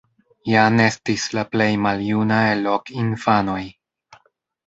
Jan estis la plej maljuna el ok infanoj.